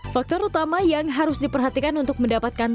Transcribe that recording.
faktor utama yang harus diperhatikan untuk mendapatkan